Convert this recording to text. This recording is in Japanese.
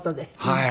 はい。